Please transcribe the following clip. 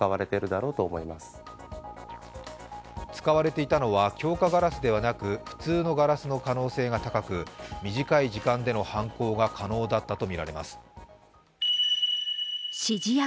使われていたのは強化ガラスではなく普通のガラスの可能性が高く短い時間での犯行が可能だったとみられます。